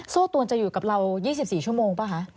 โซ่ตวนจะอยู่กับเรายี่สิบสี่ชั่วโมงป่ะคะ